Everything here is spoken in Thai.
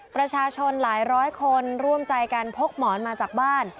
ประชาชนหลายร้อยคนร่วมใจกันพกหมอนมาจากบ้าน